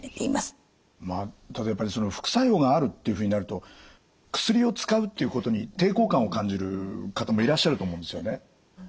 ただやっぱりその副作用があるっていうふうになると薬を使うっていうことに抵抗感を感じる方もいらっしゃると思うんですよね。